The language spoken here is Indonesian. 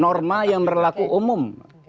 norma yang berlaku umum